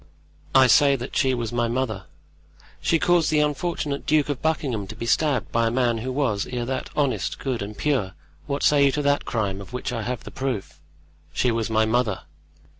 "I say that she was my mother." "She caused the unfortunate Duke of Buckingham to be stabbed by a man who was, ere that, honest, good and pure. What say you to that crime, of which I have the proof?" "She was my mother."